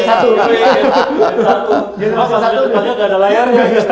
iphone generasi satu makanya gak ada layarnya